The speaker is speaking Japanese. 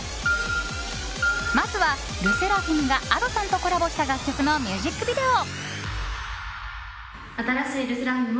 まずはＬＥＳＳＥＲＡＦＩＭがＡｄｏさんとコラボした楽曲のミュージックビデオ。